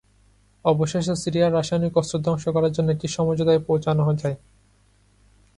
অবশেষে সিরিয়ার রাসায়নিক অস্ত্র ধ্বংস করার জন্য একটি সমঝোতায় পৌঁছানো যায়।